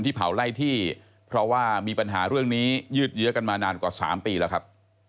เผาไล่ที่เพราะว่ามีปัญหาเรื่องนี้ยืดเยอะกันมานานกว่า๓ปีแล้วครับ